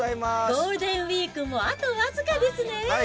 ゴールデンウィークもあとわずかですね。